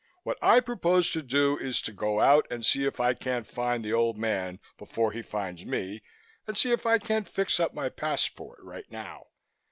What I propose to do is to go out, and see if I can't find the Old Man before He finds me, and see if I can't fix up my passport right now.